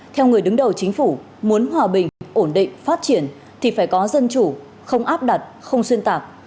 theo người đứng đầu chính phủ muốn hòa bình ổn định phát triển thì phải có dân chủ không áp đặt không xuyên tạc